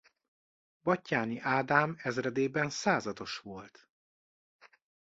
Batthyány Ádám ezredében százados volt.